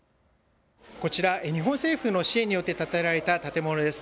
こちら日本政府の支援によって建てられた建物です。